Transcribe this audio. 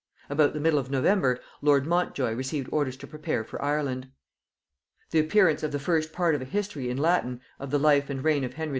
About the middle of November lord Montjoy received orders to prepare for Ireland. The appearance of the first part of a history in Latin of the life and reign of Henry IV.